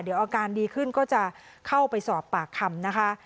เดี๋ยวอาการดีขึ้นก็จะเข้าไปสอบปากคำนะคะ